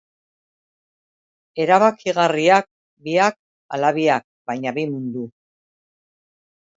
Erabakigarriak biak ala biak, baina bi mundu.